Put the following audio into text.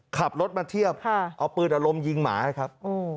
ขับรถมาเทียบเอาปืนอารมณ์ยิงหมานะครับ